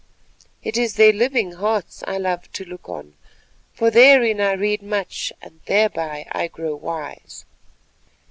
It is their living hearts I love to look on, for therein I read much and thereby I grow wise.